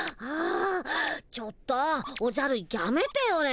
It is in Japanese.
ちょっとおじゃるやめてよね。